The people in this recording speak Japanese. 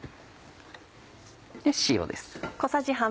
塩です。